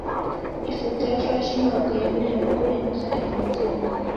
Ifoto ya Flash ntabwo yemerewe kurenza iyi ngingo.